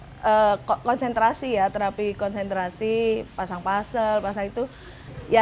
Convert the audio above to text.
sehati eh udah terapi konsentrasi ya terapi konsentrasi pasang pasang pasang itu ya